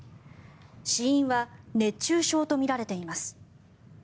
死因は熱中症とみられています。